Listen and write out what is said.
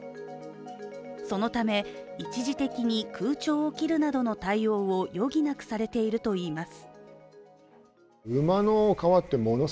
そのため、一時的に空調を切るなどの対応を余儀なくされているといいます。